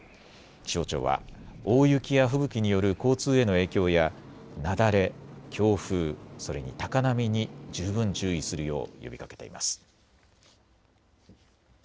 気象庁は大雪や吹雪による交通への影響や雪崩、強風、それに高波に十分注意するよう呼びかけています。